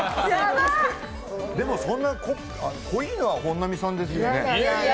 でもそんな、濃いのは本並さんですよね。